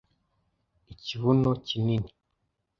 Ikibuno kinini